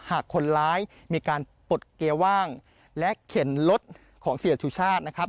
หากคนร้ายมีการปลดเกียร์ว่างและเข็นรถของเสียสุชาตินะครับ